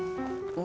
udah sus teraduk